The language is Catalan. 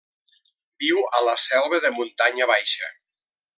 Viu a la selva de muntanya baixa.